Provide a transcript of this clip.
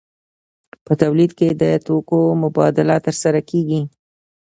په تولید کې د توکو مبادله ترسره کیږي.